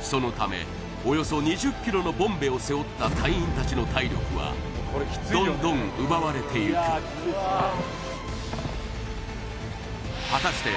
そのためおよそ２０ｋｇのボンベを背負った隊員たちの体力はどんどん奪われていく果たして